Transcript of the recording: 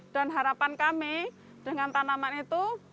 dan harapan kami dengan tanaman itu